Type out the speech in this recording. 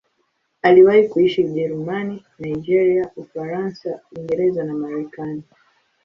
Aliwahi kuishi Ujerumani, Nigeria, Ufaransa, Uingereza na Marekani.